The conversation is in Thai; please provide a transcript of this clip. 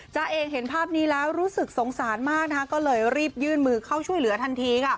เองเห็นภาพนี้แล้วรู้สึกสงสารมากก็เลยรีบยื่นมือเข้าช่วยเหลือทันที